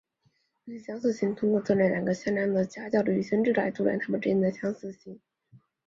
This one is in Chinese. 余弦相似性通过测量两个向量的夹角的余弦值来度量它们之间的相似性。